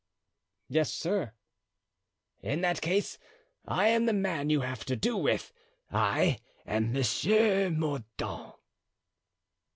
"Yes, sir." "In that case, I am the man you have to do with. I am M. Mordaunt."